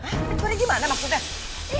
hah pencuri gimana maksudnya